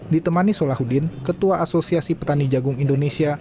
ditemani solahuddin ketua asosiasi petani jagung indonesia